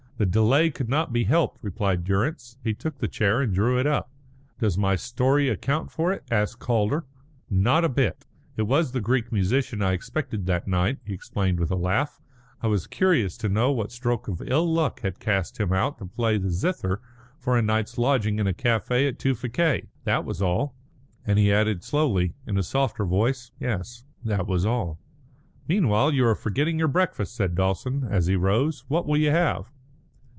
"The delay could not be helped," replied Durrance. He took the chair and drew it up. "Does my story account for it?" asked Calder. "Not a bit. It was the Greek musician I expected that night," he explained with a laugh. "I was curious to know what stroke of ill luck had cast him out to play the zither for a night's lodging in a café at Tewfikieh. That was all," and he added slowly, in a softer voice, "Yes, that was all." "Meanwhile you are forgetting your breakfast," said Dawson, as he rose. "What will you have?"